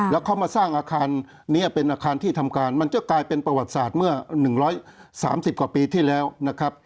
แล้วเขามาสร้างอาคารนี้เป็นอาคารที่ทำการมันก็กลายเป็นประวัติศาสตร์เมื่อ๑๓๐กว่าปีที่แล้วนะครับ